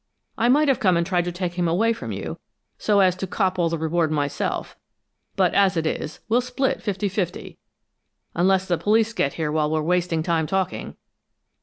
I might have come and tried to take him away from you, so as to cop all the reward myself, but as it is, we'll split fifty fifty unless the police get here while we're wasting time talking!